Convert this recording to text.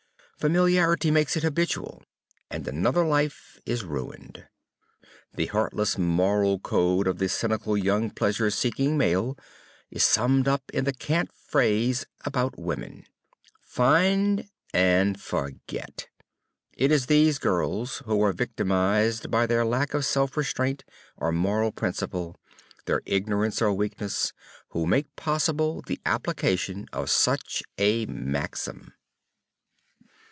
Familiarity makes it habitual, and another life is ruined. The heartless moral code of the cynical young pleasure seeking male is summed up in the cant phrase anent women: "Find, ... and forget!" It is these girls, who are victimized by their lack of self restraint or moral principle, their ignorance or weakness, who make possible the application of such a maxim.